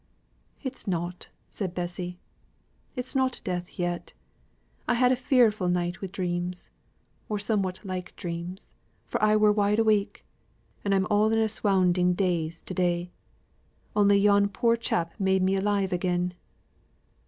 "It's nout," said Bessy. "It's not death yet. I had a fearfu' night wi' dreams or somewhat like dreams, for I were wide awake and I'm all in a swounding daze to day, only yon poor chap made me alive again.